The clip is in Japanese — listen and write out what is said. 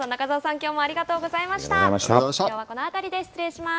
きょうはこの辺りで失礼します。